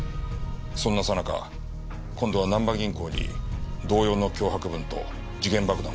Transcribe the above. そんなさなか今度はなんば銀行に同様の脅迫文と時限爆弾が送られてきた。